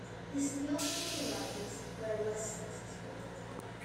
His theological writings were less successful.